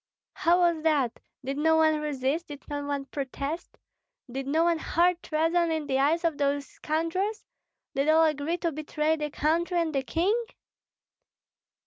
"How was that? Did no one resist, did no one protest? Did no one hurl treason in the eyes of those scoundrels? Did all agree to betray the country and the king?"